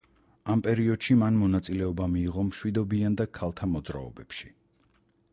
ამ პერიოდში მან მონაწილეობა მიიღო მშვიდობიან და ქალთა მოძრაობებში.